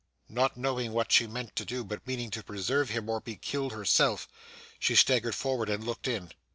Not knowing what she meant to do, but meaning to preserve him or be killed herself, she staggered forward and looked in.